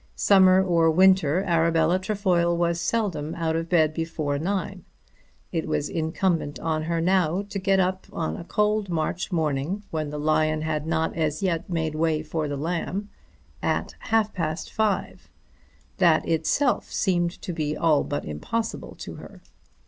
Summer or winter Arabella Trefoil was seldom out of bed before nine. It was incumbent on her now to get up on a cold March morning, when the lion had not as yet made way for the lamb, at half past five. That itself seemed to be all but impossible to her.